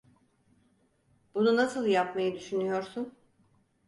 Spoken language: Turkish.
Bunu nasıl yapmayı düşünüyorsun?